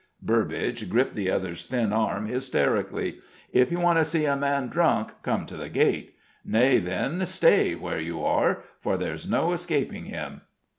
Burbage gripped the other's thin arm hysterically. "If you want to see a man drunk come to the gate. Nay, then, stay where you are: for there's no escaping him."